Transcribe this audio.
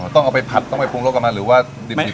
ต้องเอาไปผัดต้องไปปรุงรสกับมันหรือว่าดิบ